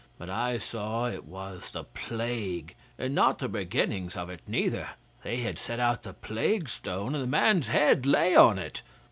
But I saw it was the plague, and not the beginnings of it neither. They had set out the plague stone, and the man's head lay on it.